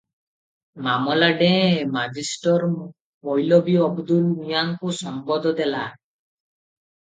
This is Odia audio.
ମାମଲା ଡେଃ ମାଜିଷ୍ଟର ମୌଲବୀ ଅବଦୁଲ ମିଆଁଙ୍କୁ ସମ୍ପୋଦ ହେଲା ।